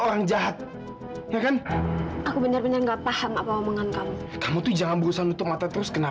orang jahat ya kan aku bener bener nggak paham kamu tuh jangan berusaha nutup mata terus kenapa sih